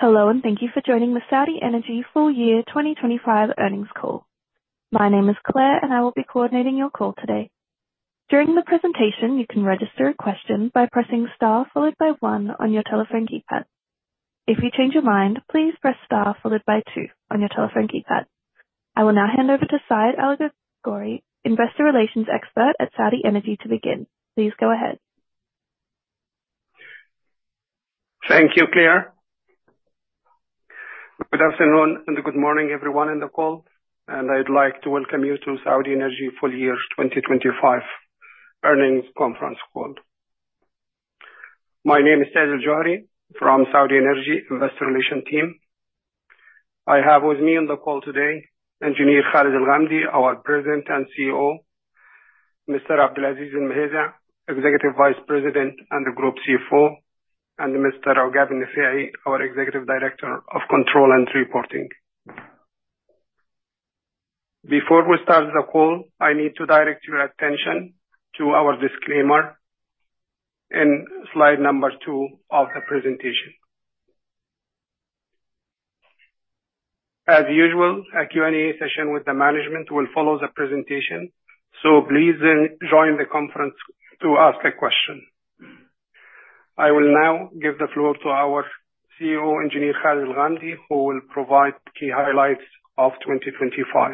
Hello, and thank you for joining the Saudi Electricity Company full year 2025 earnings call. My name is Claire, and I will be coordinating your call today. During the presentation, you can register a question by pressing Star followed by one on your telephone keypad. If you change your mind, please press Star followed by two on your telephone keypad. I will now hand over to Saad Alghossari, investor relations expert at Saudi Electricity Company to begin. Please go ahead. Thank you, Claire. Good afternoon and good morning everyone on the call. I'd like to welcome you to Saudi Electricity Company full year 2025 earnings conference call. My name is Saad Alghossari from Saudi Electricity Company Investor Relations team. I have with me on the call today Engineer Khalid AlGhamdi, our President and CEO. Mr. Abdulaziz AlMuhaiza, Executive Vice President and the Group CFO. Mr. Ogat Neferi, our Executive Director of Control and Reporting. Before we start the call, I need to direct your attention to our disclaimer in slide number two of the presentation. As usual, a Q&A session with the management will follow the presentation. Please join the conference to ask a question. I will now give the floor to our CEO, Engineer Khalid AlGhamdi, who will provide key highlights of 2025.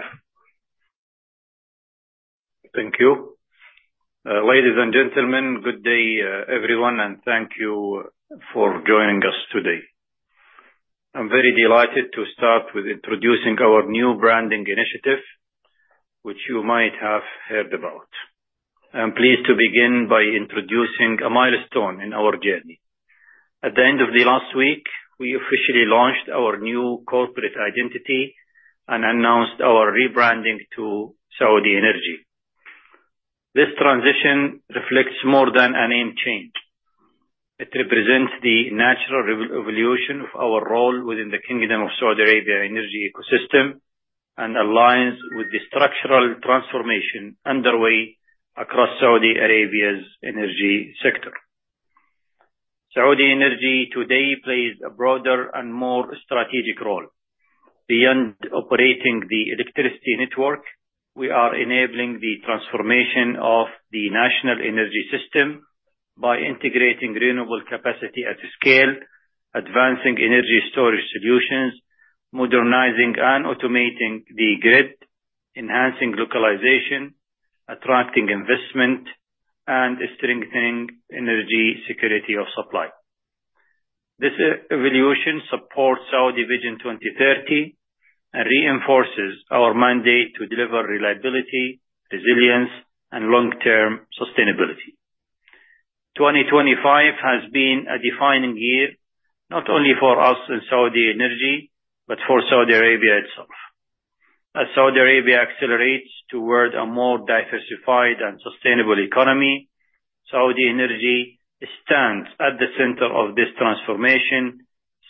Thank you. Ladies and gentlemen, good day, everyone, and thank you for joining us today. I'm very delighted to start with introducing our new branding initiative, which you might have heard about. I'm pleased to begin by introducing a milestone in our journey. At the end of the last week, we officially launched our new corporate identity and announced our rebranding to Saudi Energy. This transition reflects more than a name change. It represents the natural evolution of our role within the Kingdom of Saudi Arabia energy ecosystem and aligns with the structural transformation underway across Saudi Arabia's energy sector. Saudi Energy today plays a broader and more strategic role. Beyond operating the electricity network, we are enabling the transformation of the national energy system by integrating renewable capacity at scale, advancing energy storage solutions, modernizing and automating the grid, enhancing localization, attracting investment, and strengthening energy security of supply. This e-evolution supports Saudi Vision 2030 and reinforces our mandate to deliver reliability, resilience, and long-term sustainability. 2025 has been a defining year, not only for us in Saudi Electricity Company, but for Saudi Arabia itself. As Saudi Arabia accelerates toward a more diversified and sustainable economy, Saudi Electricity Company stands at the center of this transformation,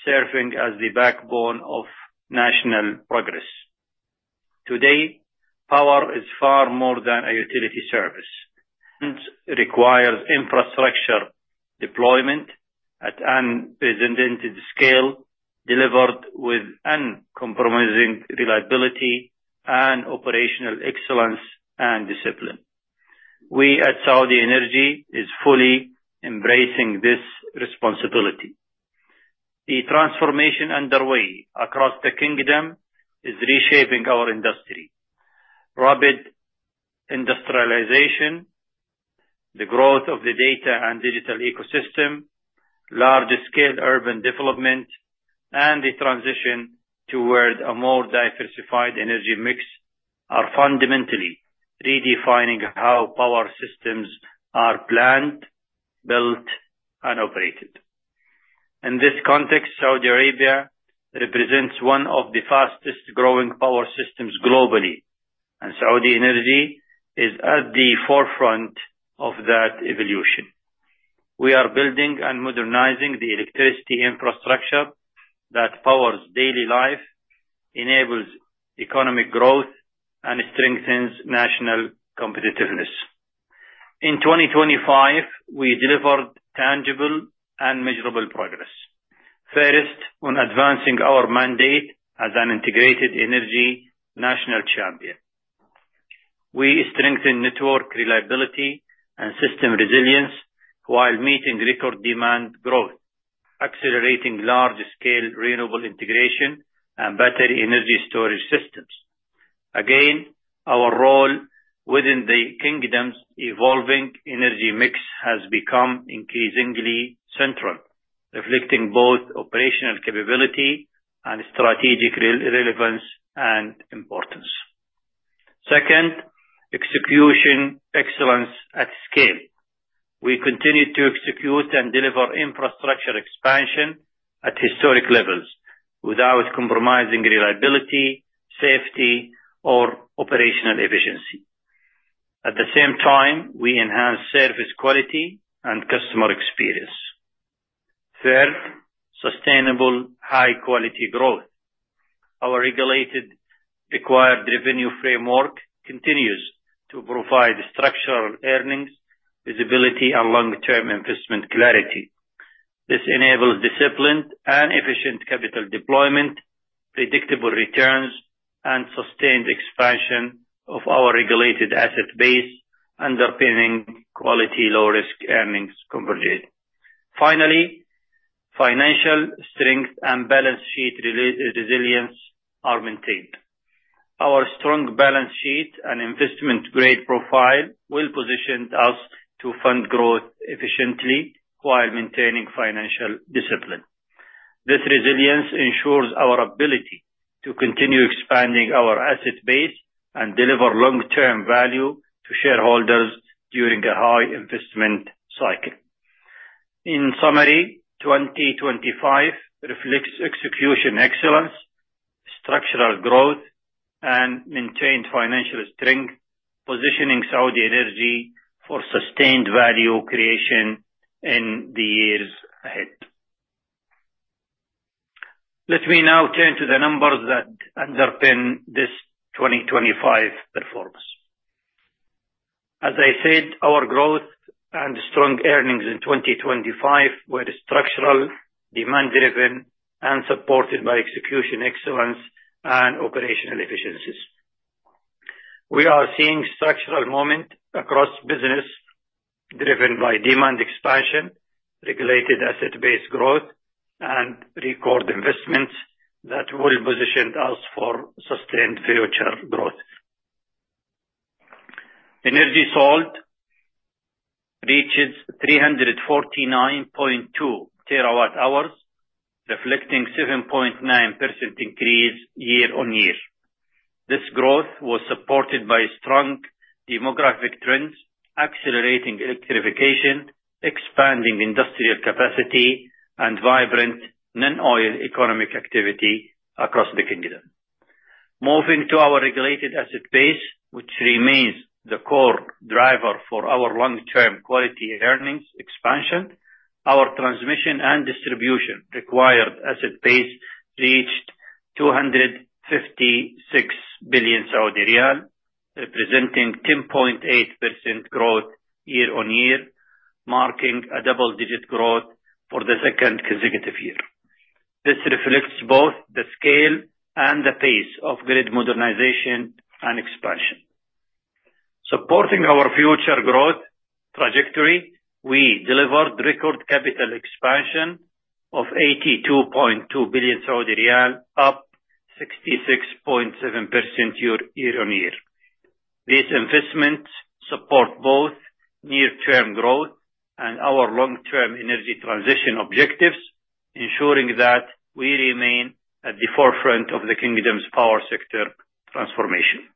serving as the backbone of national progress. Today, power is far more than a utility service. It requires infrastructure deployment at unprecedented scale, delivered with uncompromising reliability and operational excellence and discipline. We at Saudi Electricity Company is fully embracing this responsibility. The transformation underway across the kingdom is reshaping our industry. Rapid industrialization, the growth of the data and digital ecosystem, large-scale urban development, and the transition towards a more diversified energy mix are fundamentally redefining how power systems are planned, built, and operated. In this context, Saudi Arabia represents one of the fastest-growing power systems globally, and Saudi Energy is at the forefront of that evolution. We are building and modernizing the electricity infrastructure that powers daily life, enables economic growth, and strengthens national competitiveness. In 2025, we delivered tangible and measurable progress. First, on advancing our mandate as an integrated energy national champion. We strengthen network reliability and system resilience while meeting record demand growth, accelerating large-scale renewable integration and battery energy storage systems. Again, our role within the kingdom's evolving energy mix has become increasingly central, reflecting both operational capability and strategic relevance and importance. Second, execution excellence at scale. We continue to execute and deliver infrastructure expansion at historic levels without compromising reliability, safety, or operational efficiency. At the same time, we enhance service quality and customer experience. Third, sustainable high-quality growth. Our required revenue framework continues to provide structural earnings, visibility, and long-term investment clarity. This enables disciplined and efficient capital deployment, predictable returns, and sustained expansion of our Regulated Asset Base, underpinning quality low-risk earnings conversion. Finally, financial strength and balance sheet resilience are maintained. Our strong balance sheet and investment-grade profile will position us to fund growth efficiently while maintaining financial discipline. This resilience ensures our ability to continue expanding our asset base and deliver long-term value to shareholders during a high investment cycle. In summary, 2025 reflects execution excellence, structural growth, and maintained financial strength, positioning Saudi Energy for sustained value creation in the years ahead. Let me now turn to the numbers that underpin this 2025 performance. As I said, our growth and strong earnings in 2025 were structural, demand-driven, and supported by execution excellence and operational efficiencies. We are seeing structural moment across business driven by demand expansion, Regulated Asset Base growth, and record investments that will position us for sustained future growth. Energy sold reaches 349.2 TWh, reflecting 7.9% increase year-on-year. This growth was supported by strong demographic trends, accelerating electrification, expanding industrial capacity, and vibrant non-oil economic activity across the kingdom. Moving to our Regulated Asset Base, which remains the core driver for our long-term quality earnings expansion. Our transmission and distribution required asset base reached 256 billion Saudi riyal, representing 10.8% growth year-on-year, marking a double-digit growth for the second consecutive year. This reflects both the scale and the pace of grid modernization and expansion. Supporting our future growth trajectory, we delivered record capital expansion of 82.2 billion Saudi riyal, up 66.7% year-on-year. These investments support both near-term growth and our long-term energy transition objectives, ensuring that we remain at the forefront of the kingdom's power sector transformation.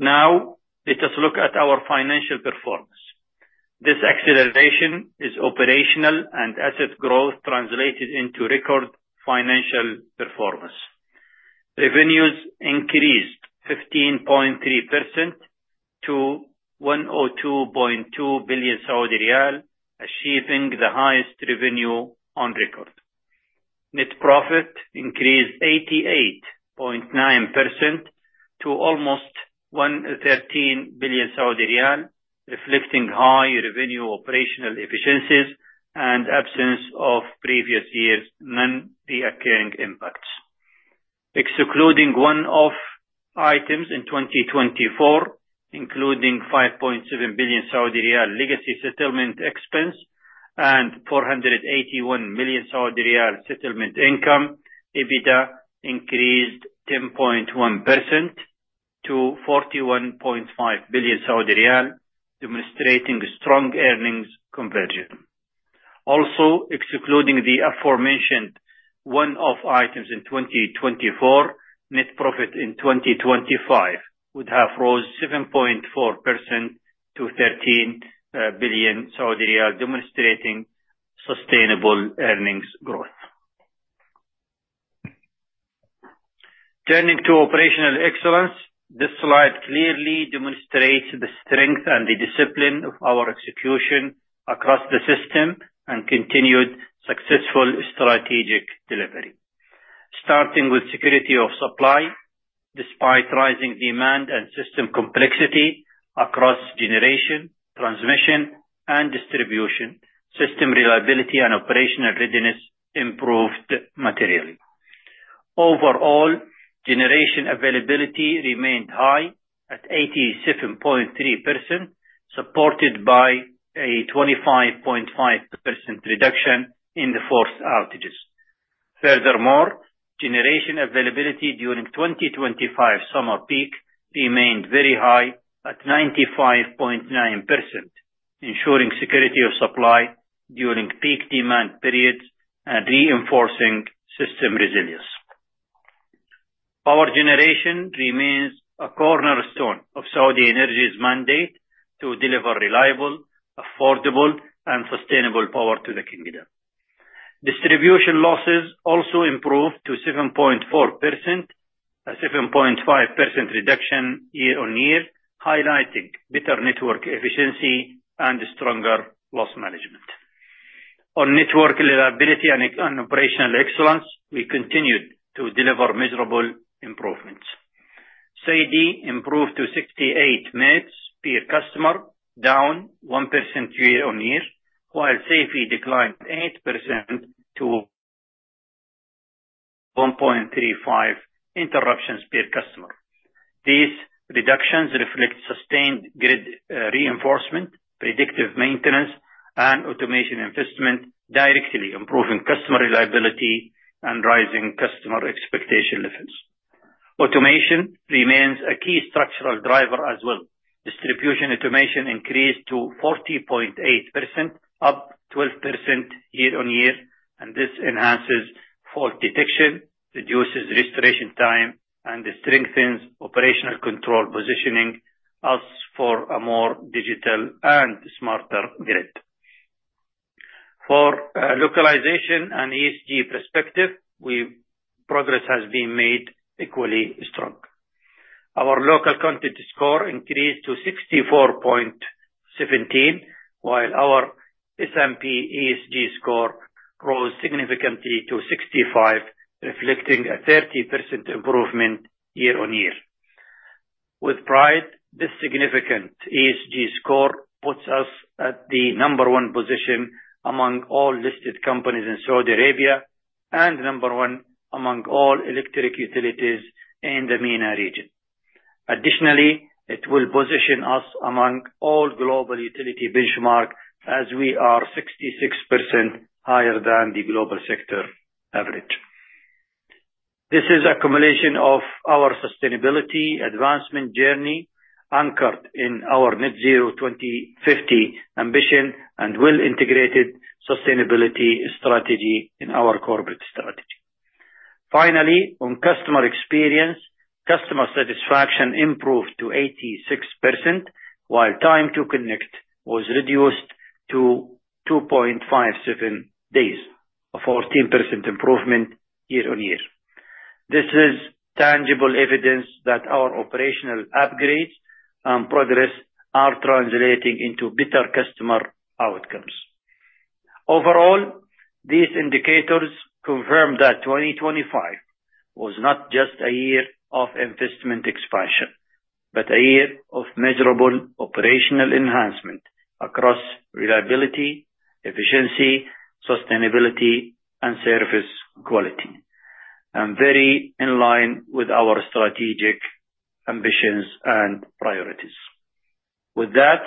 Let us look at our financial performance. This acceleration is operational and asset growth translated into record financial performance. Revenues increased 15.3% to 102.2 billion Saudi riyal, achieving the highest revenue on record. Net profit increased 88.9% to almost 113 billion Saudi riyal, reflecting high revenue operational efficiencies and absence of previous years' non-recurring impacts. Excluding one-off items in 2024, including 5.7 billion Saudi riyal legacy settlement expense and 481 million Saudi riyal settlement income, EBITDA increased 10.1% to SAR 41.5 billion, demonstrating strong earnings conversion. Excluding the aforementioned one-off items in 2024, net profit in 2025 would have rose 7.4% to 13 billion Saudi riyal, demonstrating sustainable earnings growth. Turning to operational excellence. This slide clearly demonstrates the strength and the discipline of our execution across the system and continued successful strategic delivery. Starting with security of supply. Despite rising demand and system complexity across generation, transmission, and distribution, system reliability and operational readiness improved materially. Overall, generation availability remained high at 87.3%, supported by a 25.5% reduction in the forced outages. Furthermore, generation availability during 2025 summer peak remained very high at 95.9%, ensuring security of supply during peak demand periods and reinforcing system resilience. Power generation remains a cornerstone of Saudi Energy's mandate to deliver reliable, affordable, and sustainable power to the kingdom. Distribution losses also improved to 7.4%, a 7.5% reduction year-on-year, highlighting better network efficiency and stronger loss management. On network reliability and operational excellence, we continued to deliver measurable improvements. SAIDI improved to 68 minutes per customer, down 1% year-on-year, while SAIFI declined 8% to 1.35 interruptions per customer. These reductions reflect sustained grid reinforcement, predictive maintenance, and automation investment directly improving customer reliability and rising customer expectation levels. Automation remains a key structural driver as well. Distribution automation increased to 40.8%, up 12% year-on-year, this enhances fault detection, reduces restoration time, and strengthens operational control positioning, thus for a more digital and smarter grid. For localization and ESG perspective, progress has been made equally strong. Our local content score increased to 64.17, while our S&P ESG score grows significantly to 65, reflecting a 30% improvement year-on-year. With pride, this significant ESG score puts us at the number one position among all listed companies in Saudi Arabia and number one among all electric utilities in the MENA region. Additionally, it will position us among all global utility benchmark as we are 66% higher than the global sector average. This is accumulation of our sustainability advancement journey anchored in our net zero 2050 ambition and well integrated sustainability strategy in our corporate strategy. Finally, on customer experience, customer satisfaction improved to 86%, while time to connect was reduced to 2.57 days. A 14% improvement year-on-year. This is tangible evidence that our operational upgrades and progress are translating into better customer outcomes. Overall, these indicators confirm that 2025 was not just a year of investment expansion, but a year of measurable operational enhancement across reliability, efficiency, sustainability, and service quality, and very in line with our strategic ambitions and priorities. With that,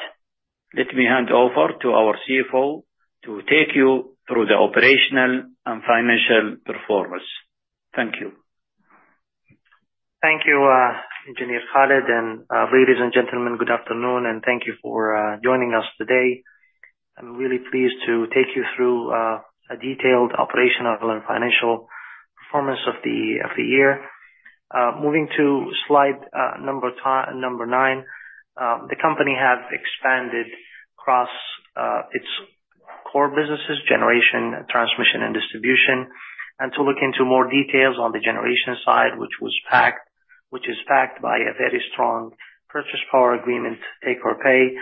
let me hand over to our CFO to take you through the operational and financial performance. Thank you. Thank you, Engineer Khalid, and ladies and gentlemen, good afternoon, and thank you for joining us today. I'm really pleased to take you through a detailed operational and financial performance of the year. Moving to slide number nine. The company has expanded across its core businesses: generation, transmission, and distribution. To look into more details on the generation side, which is backed by a very strong purchase power agreement, take or pay.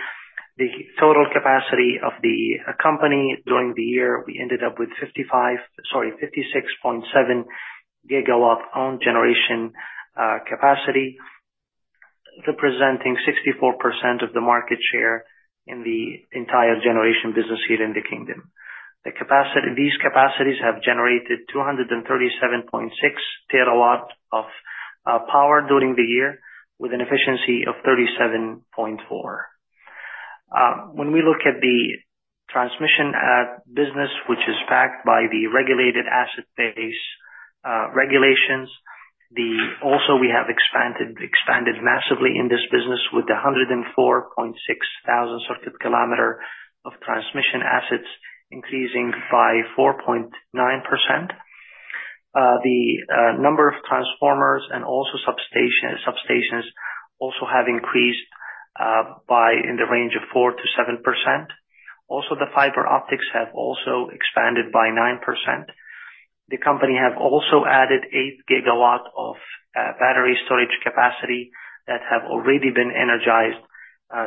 The total capacity of the company during the year, we ended up with 55, sorry, 56.7 GW own generation capacity, representing 64% of the market share in the entire generation business here in the kingdom. These capacities have generated 237.6 TW of power during the year with an efficiency of 37.4. When we look at the transmission business, which is backed by the Regulated Asset Base regulations, we have expanded massively in this business with 104.6 thousand circuit kilometer of transmission assets increasing by 4.9%. The number of transformers and substations also have increased by in the range of 4%-7%. The fiber optics have also expanded by 9%. The company have also added 8 GW of battery storage capacity that have already been energized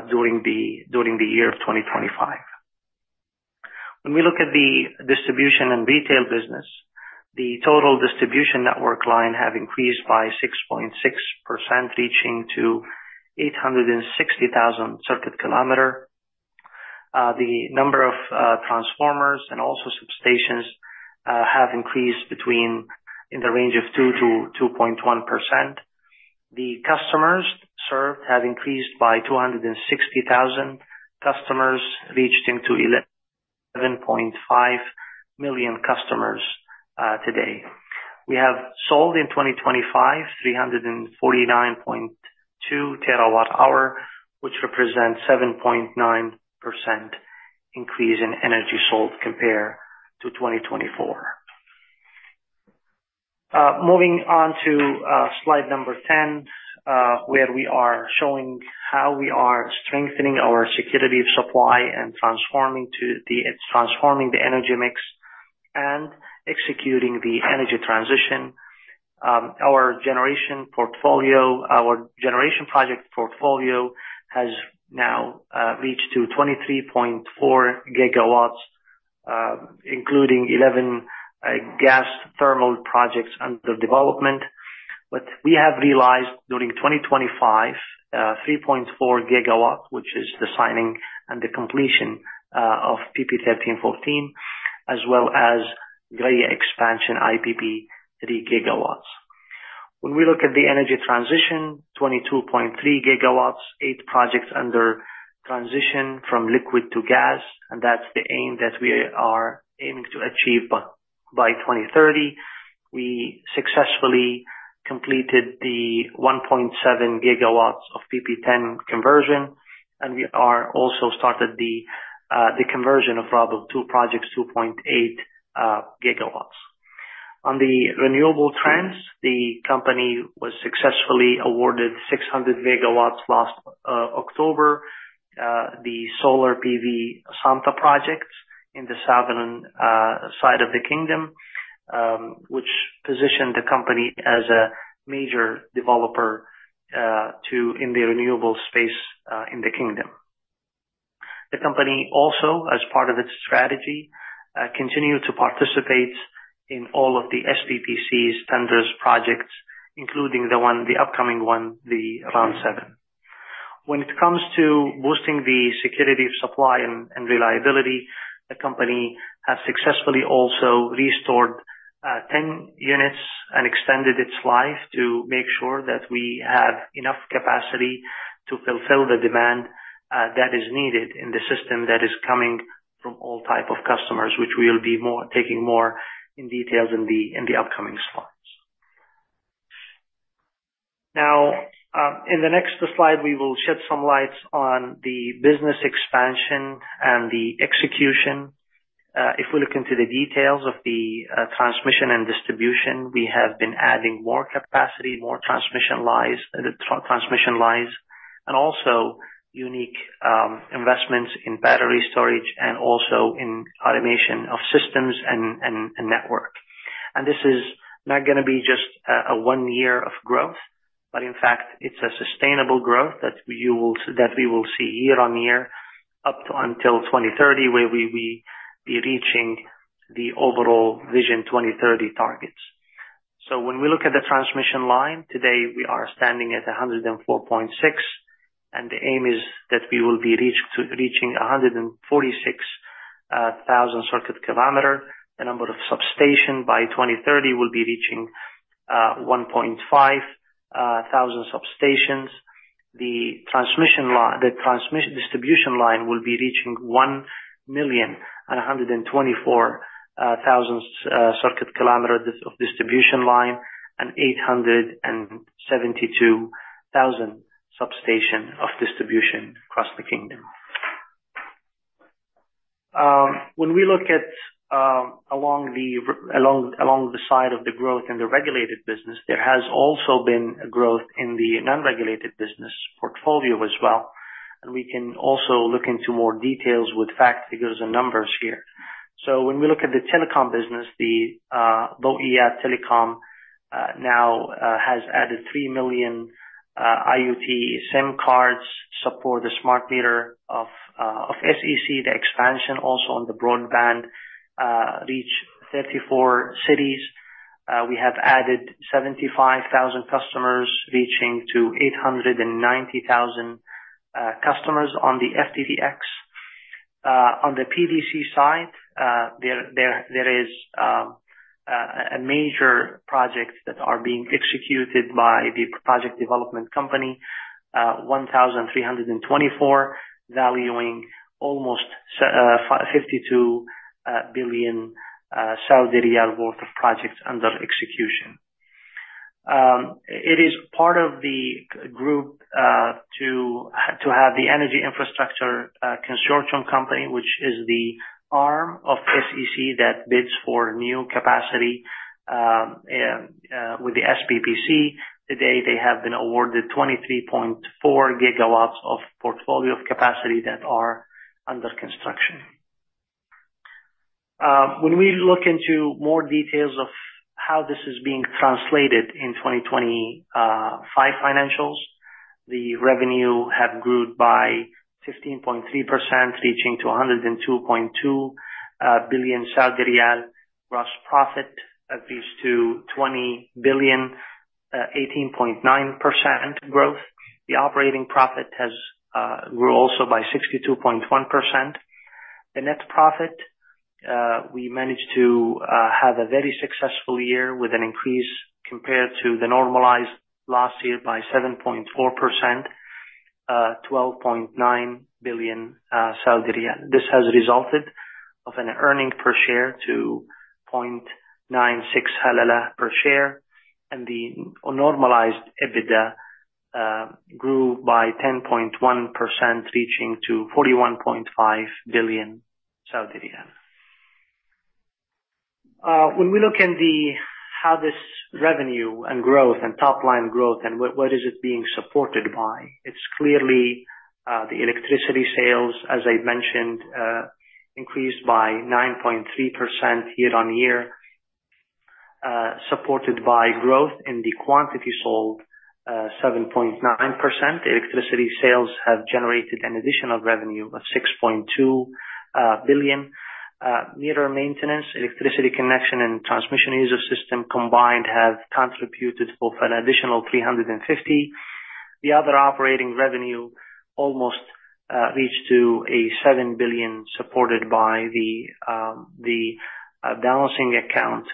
during the year of 2025. When we look at the distribution and retail business, the total distribution network line have increased by 6.6%, reaching to 860,000 circuit kilometers. The number of transformers and also substations have increased between in the range of 2%-2.1%. The customers served have increased by 260,000 customers, reaching to 7.5 million customers today. We have sold in 2025, 349.2 TWh, which represents 7.9% increase in energy sold compare to 2024. Moving on to slide number 10, where we are showing how we are strengthening our security of supply and transforming the energy mix. Executing the energy transition. Our generation portfolio, our generation project portfolio has now reached to 23.4 GW, including 11 gas thermal projects under development. We have realized during 2025, 3.4 GW, which is the signing and the completion of PP13 and PP14 as well as Gray expansion IPP 3 GW. When we look at the energy transition, 22.3 GW, eight projects under transition from liquid to gas, and that's the aim that we are aiming to achieve by 2030. We successfully completed the 1.7 GW of PP10 conversion, and we are also started the conversion of Rabigh 2 projects, 2.8 GW. On the renewable trends, the company was successfully awarded 600 MW last October. The solar PV Samtah projects in the southern side of the kingdom, which positioned the company as a major developer in the renewable space in the kingdom. The company also, as part of its strategy, continued to participate in all of the SPPC's tenders projects, including the one, the upcoming one, the Round Seven. When it comes to boosting the security of supply and reliability, the company has successfully also restored 10 units and extended its life to make sure that we have enough capacity to fulfill the demand that is needed in the system that is coming from all type of customers, which we'll be taking more in details in the upcoming slides. In the next slide we will shed some lights on the business expansion and the execution. If we look into the details of the transmission and distribution, we have been adding more capacity, more transmission lines, and also unique investments in battery storage and also in automation of systems and network. This is not gonna be just a one year of growth, but in fact it's a sustainable growth that we will see year on year up until 2030, where we be reaching the overall Vision 2030 targets. When we look at the transmission line, today we are standing at 104.6, and the aim is that we will be reaching 146,000 circuit kilometer. The number of substation by 2030 will be reaching 1,500 substations. The distribution line will be reaching 1,124,000 circuit kilometers of distribution line and 872,000 substation of distribution across the kingdom. When we look at along the side of the growth in the regulated business, there has also been a growth in the non-regulated business portfolio as well. We can also look into more details with fact figures and numbers here. When we look at the telecom business, the Dawiyat Telecom now has added 3 million IoT SIM cards, support the smart meter of SEC, the expansion also on the broadband reach 34 cities. We have added 75,000 customers reaching to 890,000 customers on the FTTX. On the PDC side, there is a major projects that are being executed by the Project Development Company, 1,324, valuing almost 52 billion Saudi riyal worth of projects under execution. It is part of the group to have the Energy Infrastructure Consortium Company, which is the arm of SEC that bids for new capacity with the SPPC. Today, they have been awarded 23.4 GW of portfolio of capacity that are under construction. When we look into more details of how this is being translated in 2025 financials, the revenue have grew by 15.3%, reaching to 102.2 billion Saudi riyal. Gross profit increased to 20 billion, 18.9% growth. The operating profit has grew also by 62.1%. The net profit, we managed to have a very successful year with an increase compared to the normalized last year by 7.4%, 12.9 billion Saudi riyal. This has resulted of an earning per share to 0.96 halala per share, and the normalized EBITDA grew by 10.1%, reaching to SAR 41.5 billion. When we look in the how this revenue and growth and top line growth and what is it being supported by, it's clearly. The electricity sales, as I mentioned, increased by 9.3% year-on-year, supported by growth in the quantity sold, 7.9%. The electricity sales have generated an additional revenue of 6.2 billion. Meter maintenance, electricity connection and transmission user system combined have contributed of an additional 350. The other operating revenue almost reached to a 7 billion, supported by the Balancing Account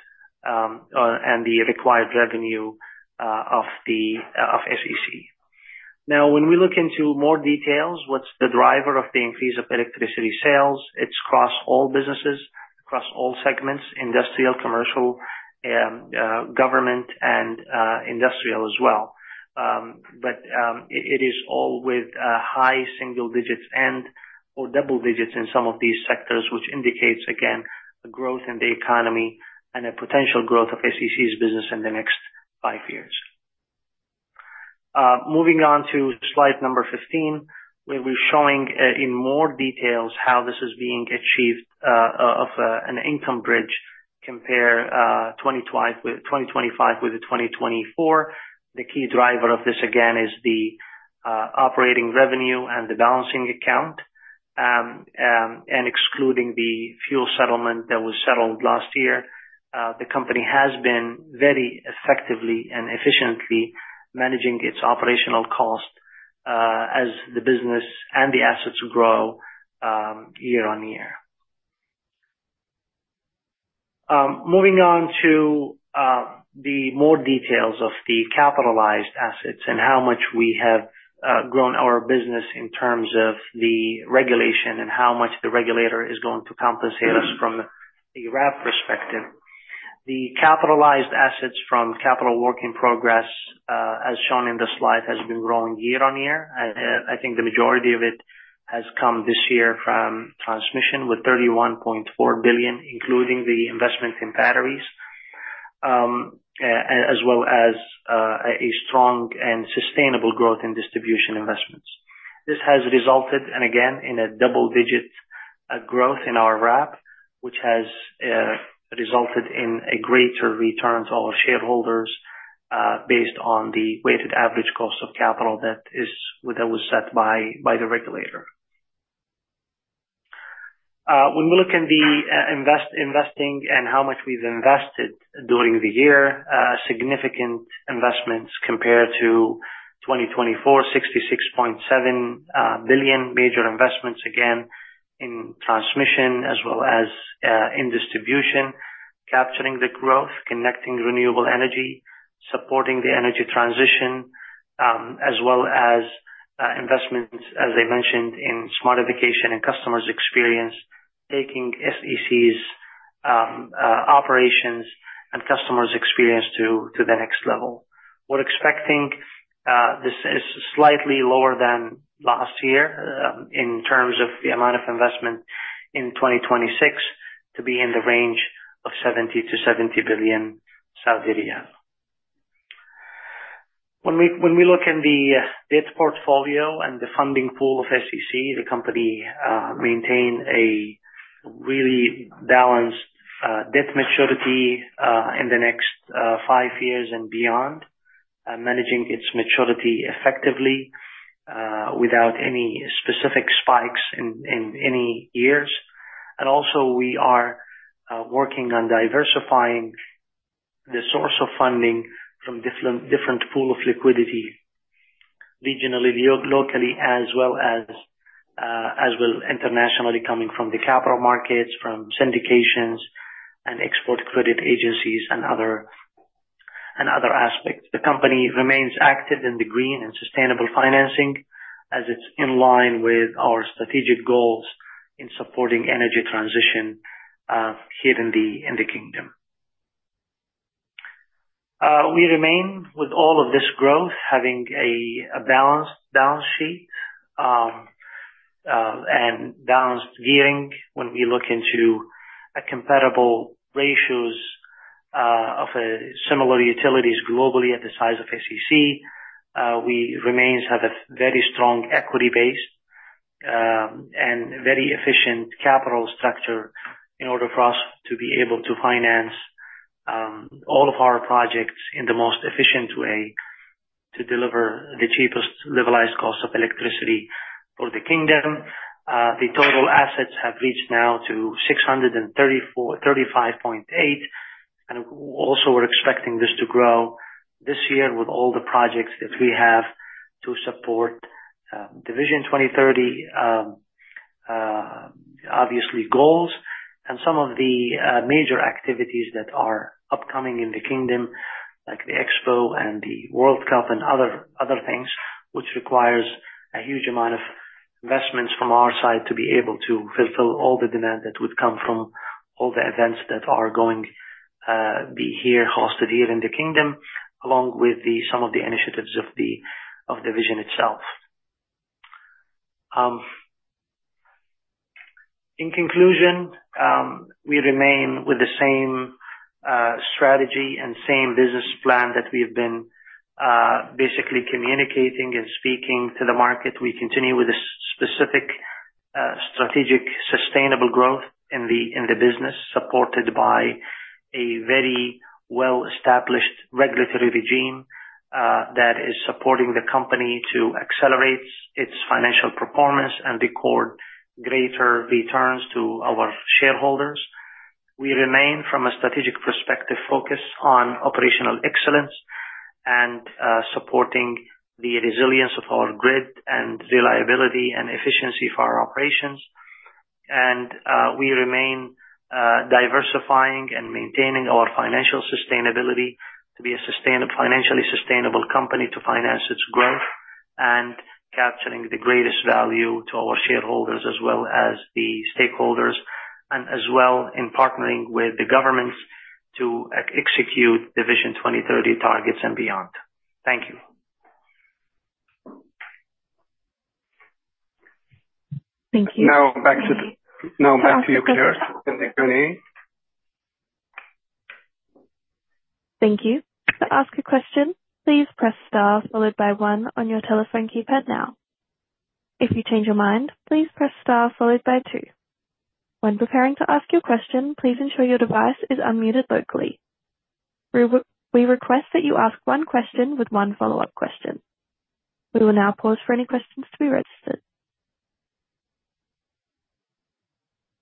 and the required revenue of SEC. When we look into more details, what's the driver of the increase of electricity sales, it's across all businesses, across all segments, industrial, commercial, government and industrial as well. It is all with high single digits and or double digits in some of these sectors, which indicates, again, the growth in the economy and a potential growth of SEC's business in the next five years. Moving on to slide number 15, where we're showing in more details how this is being achieved, of an income bridge compare 2025 with the 2024. The key driver of this, again, is the operating revenue and the Balancing Account, and excluding the fuel settlement that was settled last year. The company has been very effectively and efficiently managing its operational cost as the business and the assets grow year-on-year. Moving on to the more details of the capitalized assets and how much we have grown our business in terms of the regulation and how much the regulator is going to compensate us from the RAB perspective. The capitalized assets from capital work in progress, as shown in the slide, has been growing year-on-year. I think the majority of it has come this year from transmission with 31.4 billion, including the investment in batteries, as well as a strong and sustainable growth in distribution investments. This has resulted, and again, in a double-digit growth in our RAB, which has resulted in a greater returns to our shareholders, based on the weighted average cost of capital that was set by the regulator. When we look in the investing and how much we've invested during the year, significant investments compared to 2024, 66.7 billion. Major investments, again, in transmission as well as in distribution, capturing the growth, connecting renewable energy, supporting the energy transition, as well as investments, as I mentioned in smartification and customers experience, taking SEC's operations and customers experience to the next level. We're expecting this is slightly lower than last year in terms of the amount of investment in 2026 to be in the range of 70 billion-70 billion Saudi riyal. When we look in the debt portfolio and the funding pool of SEC, the company maintain a really balanced debt maturity in the next 5 years and beyond, managing its maturity effectively without any specific spikes in any years. Also we are working on diversifying the source of funding from different pool of liquidity regionally, locally as well as internationally, coming from the capital markets, from syndications and export credit agencies and other, and other aspects. The company remains active in the green and sustainable financing as it's in line with our strategic goals in supporting energy transition here in the kingdom. We remain with all of this growth having a balanced balance sheet and balanced gearing. When we look into a comparable ratios, of a similar utilities globally at the size of SEC, we remains have a very strong equity base, and very efficient capital structure in order for us to be able to finance all of our projects in the most efficient way to deliver the cheapest levelized cost of electricity for the Kingdom. The total assets have reached now to 635.8. Also we're expecting this to grow this year with all the projects that we have to support Vision 2030 obviously goals. Some of the major activities that are upcoming in the Kingdom, like the Expo and the World Cup and other things, which requires a huge amount of investments from our side to be able to fulfill all the demand that would come from all the events that are going be here, hosted here in the Kingdom, along with the some of the initiatives of the Vision itself. In conclusion, we remain with the same strategy and same business plan that we have been basically communicating and speaking to the market. We continue with a specific strategic, sustainable growth in the business, supported by a very well-established regulatory regime that is supporting the company to accelerate its financial performance and record greater returns to our shareholders. We remain, from a strategic perspective, focused on operational excellence and supporting the resilience of our grid and reliability and efficiency for our operations. We remain diversifying and maintaining our financial sustainability to be a financially sustainable company to finance its growth and capturing the greatest value to our shareholders as well as the stakeholders, and as well in partnering with the governments to execute the Vision 2030 targets and beyond. Thank you. Thank you. Now back to you, Claire. Thank you. Thank you. To ask a question, please press star followed by one on your telephone keypad now. If you change your mind, please press star followed by two. When preparing to ask your question, please ensure your device is unmuted locally. We request that you ask one question with one follow-up question. We will now pause for any questions to be registered.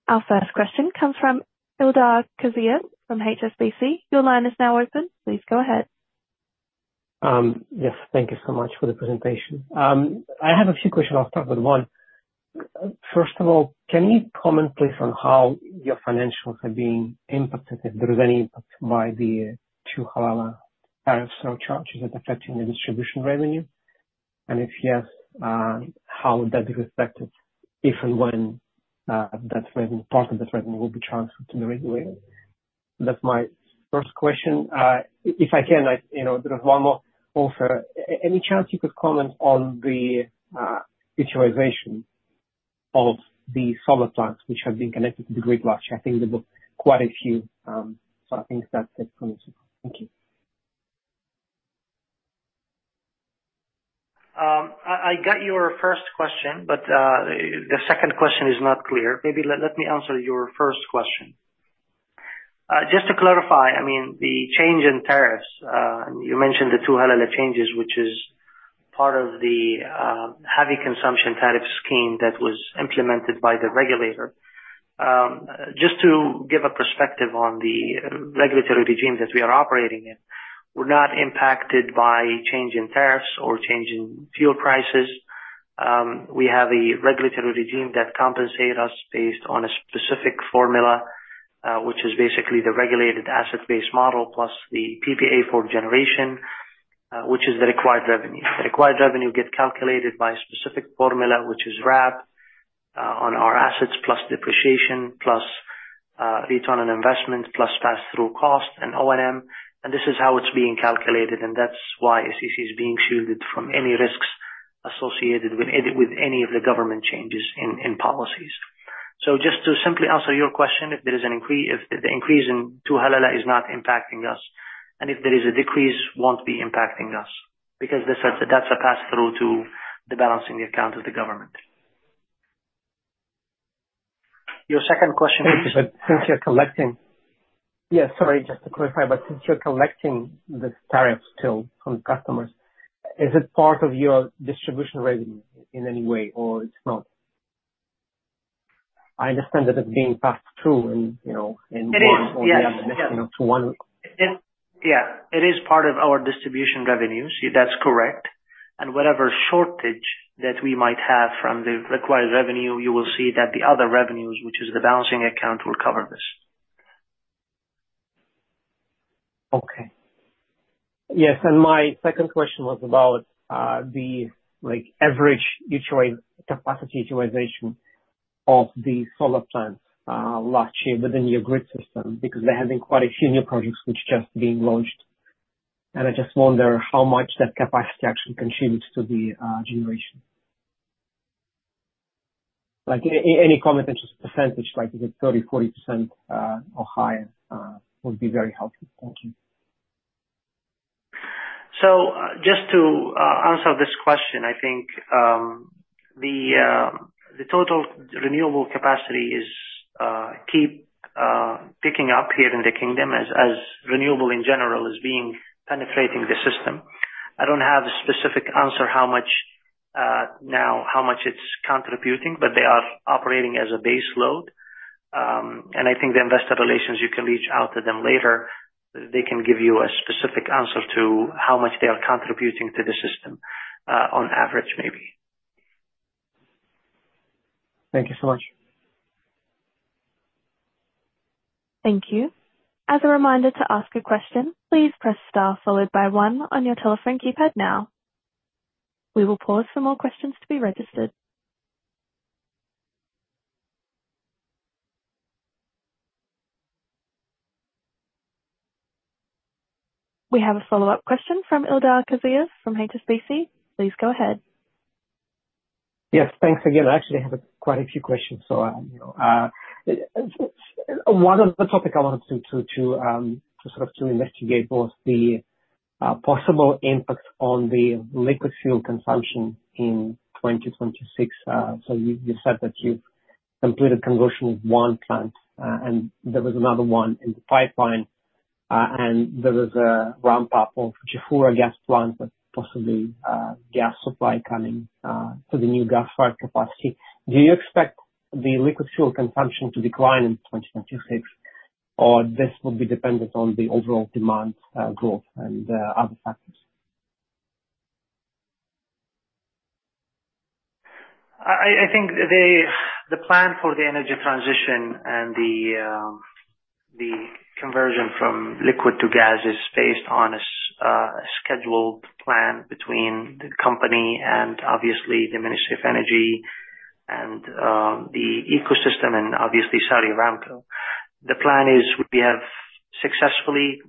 Our first question comes from Ildar Khaziev from HSBC. Your line is now open. Please go ahead. Yes. Thank you so much for the presentation. I have a few questions. I'll start with one. First of all, can you comment please on how your financials are being impacted, if there is any impact by the two halalas tariff surcharges that are affecting the distribution revenue? If yes, how would that be reflected if and when, that revenue, part of the revenue, will be transferred to the regulator? That's my first question. If I can, you know, there is one more also. Any chance you could comment on the utilization of the solar plants which have been connected to the grid last year? I think there were quite a few, so I think that's it from me. Thank you. I got your first question. The second question is not clear. Maybe, let me answer your first question. Just to clarify, I mean, the change in tariffs, and you mentioned the two halalas changes, which is part of the heavy consumption tariff scheme that was implemented by the regulator. Just to give a perspective on the regulatory regime that we are operating in, we're not impacted by change in tariffs or change in fuel prices. We have a regulatory regime that compensates us based on a specific formula, which is basically the regulated asset-based model plus the PPA for generation, which is the required revenue. The required revenue gets calculated by a specific formula, which is RAB, on our assets plus depreciation plus Return on Investment, plus pass-through cost and O&M. This is how it's being calculated, and that's why SEC is being shielded from any risks associated with any of the government changes in policies. Just to simply answer your question, if the increase in two halalas is not impacting us, and if there is a decrease, won't be impacting us. That's a pass-through to the Balancing Account of the government. Your second question. Thank you. Yeah, sorry, just to clarify. Since you're collecting the tariffs still from customers, is it part of your distribution revenue in any way or it's not? I understand that it's being passed through and, you know, in one or the other- It is. Yes. you know, to one. Yeah. It is part of our distribution revenues. That's correct. Whatever shortage that we might have from the required revenue, you will see that the other revenues, which is the Balancing Account, will cover this. Okay. Yes, My second question was about the, like, average capacity utilization of the solar plants last year within your grid system, because there have been quite a few new projects which just being launched. I just wonder how much that capacity actually contributes to the generation. Like, any comment in just percentage, like if it's 30%, 40% or higher would be very helpful. Thank you. Just to answer this question, I think, the total renewable capacity is keep picking up here in the kingdom as renewable in general is being penetrating the system. I don't have the specific answer how much, now, how much it's contributing, but they are operating as a base load. I think the investor relations, you can reach out to them later, they can give you a specific answer to how much they are contributing to the system, on average maybe. Thank you so much. Thank you. As a reminder to ask a question, please press star followed by one on your telephone keypad now. We will pause for more questions to be registered. We have a follow-up question from Ildar Khaziev from HSBC. Please go ahead. Yes, thanks again. I actually have quite a few questions. You know, one of the topic I wanted to sort of to investigate was the possible impact on the liquid fuel consumption in 2026. You, you said that you've completed conversion of one plant, and there was another one in the pipeline, and there was a ramp-up of Jafurah gas plant with possibly, gas supply coming, to the new gas fire capacity. Do you expect the liquid fuel consumption to decline in 2026 or this will be dependent on the overall demand, growth and other factors? I think the plan for the energy transition and the conversion from liquid to gas is based on a scheduled plan between the company and obviously the Ministry of Energy and the ecosystem and obviously Saudi Aramco. The plan is we have successfully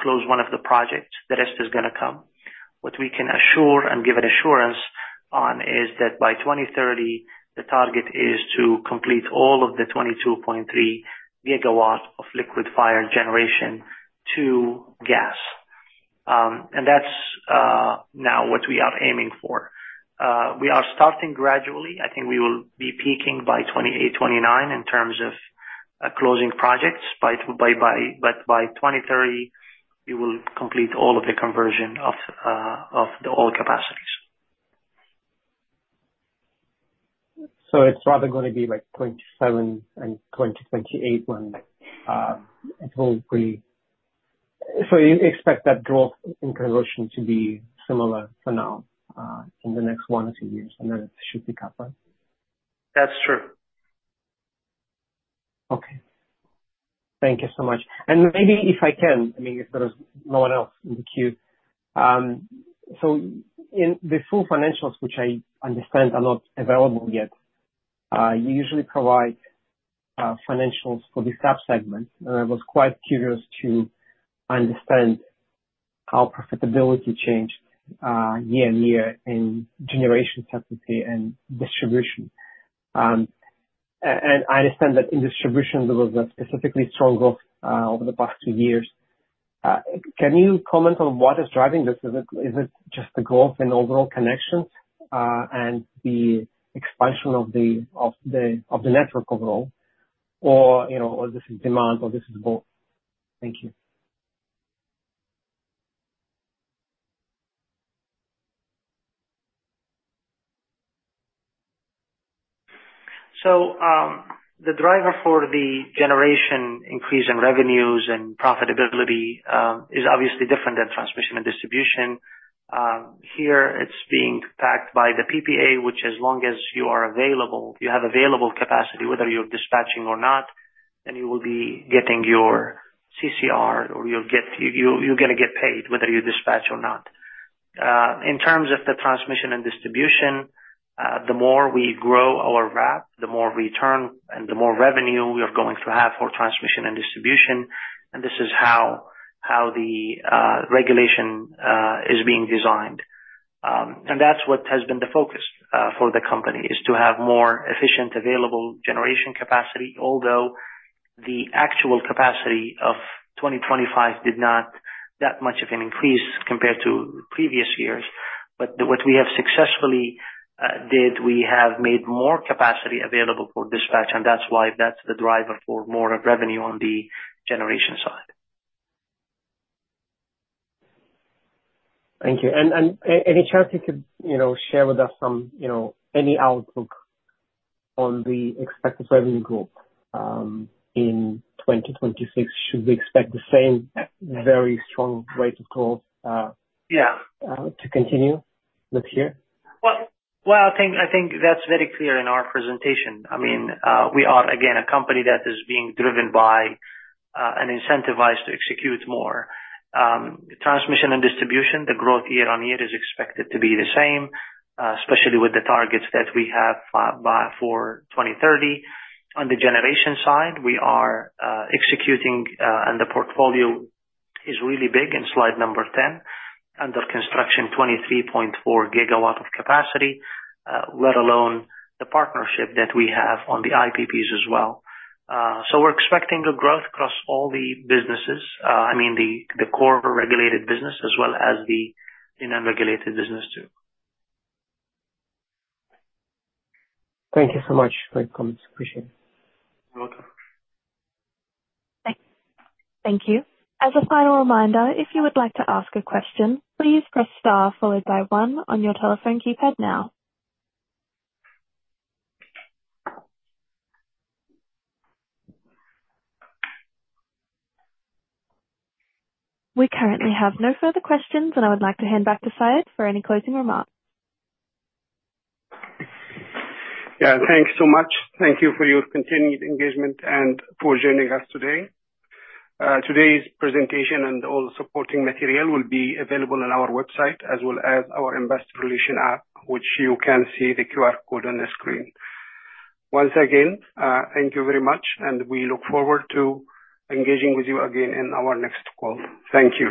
closed one of the projects. The rest is gonna come. What we can assure and give an assurance on is that by 2030 the target is to complete all of the 22.3 GW of liquid fire generation to gas. And that's now what we are aiming for. We are starting gradually. I think we will be peaking by 2028, 2029 in terms of closing projects by 2030 we will complete all of the conversion of the oil capacities. It's rather gonna be like 2027 and 2028 when it will be... You expect that growth in conversion to be similar for now, in the next one to two years, and then it should pick up, right? That's true. Okay. Thank you so much. Maybe if I can, I mean, if there is no one else in the queue. In the full financials, which I understand are not available yet, you usually provide financials for the sub-segments. I was quite curious to understand how profitability changed year-over-year in generation capacity and distribution. I understand that in distribution there was a specifically strong growth over the past two years. Can you comment on what is driving this? Is it just the growth in overall connections and the expansion of the network overall or, you know, or this is demand or this is both? Thank you. The driver for the generation increase in revenues and profitability is obviously different than transmission and distribution. Here it's being backed by the PPA, which as long as you are available, you have available capacity, whether you're dispatching or not, then you will be getting your CCR or you're gonna get paid whether you dispatch or not. In terms of the transmission and distribution, the more we grow our RAB, the more return and the more revenue we are going to have for transmission and distribution, and this is how the regulation is being designed. That's what has been the focus for the company, is to have more efficient available generation capacity. Although the actual capacity of 2025 did not that much of an increase compared to previous years. What we have successfully did, we have made more capacity available for dispatch, and that's why that's the driver for more revenue on the generation side. Thank you. Any chance you could, you know, share with us some, you know, any outlook on the expected revenue growth in 2026? Should we expect the same very strong rate of growth? Yeah. to continue this year? Well, I think that's very clear in our presentation. I mean, we are again a company that is being driven by and incentivized to execute more. The transmission and distribution, the growth year-on-year is expected to be the same, especially with the targets that we have by... For 2030. On the generation side, we are executing and the portfolio is really big in slide number 10. Under construction, 23.4 GW of capacity, let alone the partnership that we have on the IPPs as well. We're expecting a growth across all the businesses, I mean the core regulated business as well as the unregulated business too. Thank you so much for the comments. Appreciate it. You're welcome. Thank you. As a final reminder, if you would like to ask a question, please press star followed by one on your telephone keypad now. We currently have no further questions, and I would like to hand back to Saad for any closing remarks. Yeah. Thanks so much. Thank you for your continued engagement and for joining us today. Today's presentation and all the supporting material will be available on our website as well as our investor relation app, which you can see the QR code on the screen. Once again, thank you very much, we look forward to engaging with you again in our next call. Thank you.